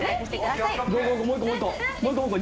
もう一個もう一個。